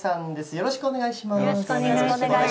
よろしくお願いします。